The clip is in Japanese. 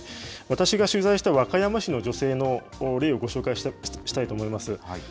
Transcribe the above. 私が取材した、和歌山市の女性の例をご紹介したいと思います。